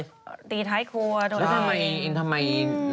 ไปตีไทยครัวโดยไง